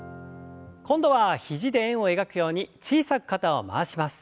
今度は肘で円を描くように小さく肩を回します。